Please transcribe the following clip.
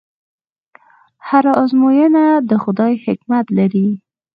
هره ازموینه د خدای حکمت لري.